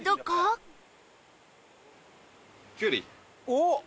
おっ！